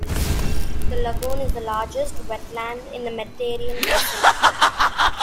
The lagoon is the largest wetland in the Mediterranean Basin.